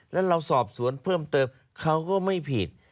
แล้วเราสอบสวนเพิ่มเติมเขาก็ไม่ผิด